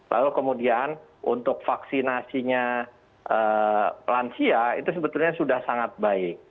lalu kemudian untuk vaksinasinya lansia itu sebetulnya sudah sangat baik